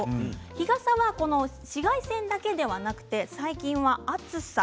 日傘は紫外線だけではなくて、最近は暑さ